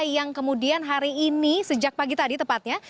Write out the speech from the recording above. yang kemudian hari ini sejak pagi tadi tepatnya